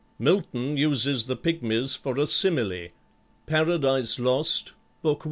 Milton uses the Pygmies for a simile, "Paradise Lost," Book I.